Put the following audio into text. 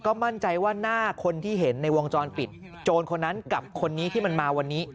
ก็มั่นใจว่าหน้าคนที่เห็นในวงจรปิดโจรคนนั้นกับคนนี้ที่มันมาวันนี้